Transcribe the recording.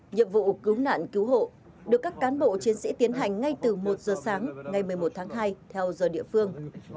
nhiệm vụ cứu nạn cứu hộ được các cán bộ chiến sĩ tiến hành ngay từ một giờ sáng ngày một mươi một tháng hai theo giờ địa phương